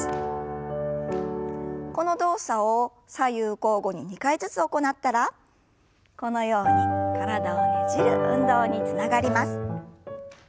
この動作を左右交互に２回ずつ行ったらこのように体をねじる運動につながります。